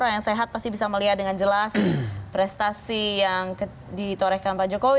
orang yang sehat pasti bisa melihat dengan jelas prestasi yang ditorehkan pak jokowi